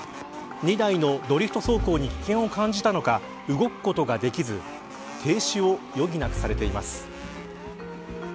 ２台のドリフト走行に危険を感じたのか動くことができず停止を余儀なくされています。